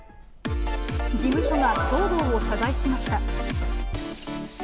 事務所が騒動を謝罪しました。